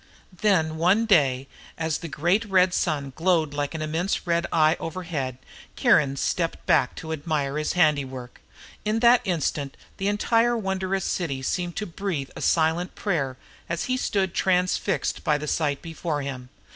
Then one day, as the great red sun glowed like an immense red eye overhead, Kiron stepped back to admire his handiwork. In that instant the entire wondrous city seemed to breathe a silent prayer as he stood transfixed by the sight before him.